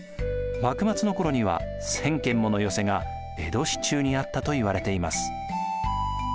幕末の頃には１，０００軒もの寄席が江戸市中にあったといわれています。